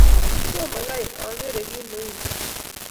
Tom kai akere kit ne u no.